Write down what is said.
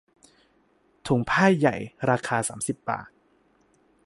ถุงผ้าใหญ่ ราคาสามสิบบาท